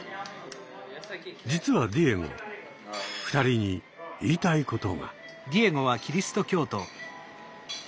実はディエゴ２人に言いたいことが。